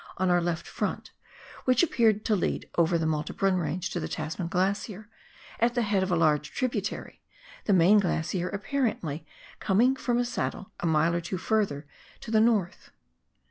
on our left front, which appeared to lead over the Malte Brun Range to the Tasman Glacier, at the head of a large tributary, the main glacier apparently coming from a saddle a mile or two further to the north.